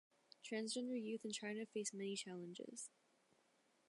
Transgender youth in China face many challenges.